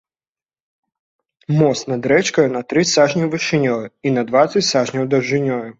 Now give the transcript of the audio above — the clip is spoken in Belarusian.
Мост над рэчкаю на тры сажні вышынёю і на дваццаць сажняў даўжынёю.